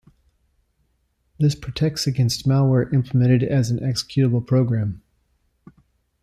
This protects against malware implemented as an executable program.